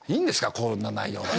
こんな内容で。